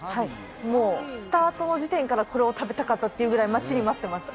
スタートの時点からこれを食べたかったっていうくらい、待ちに待ってます。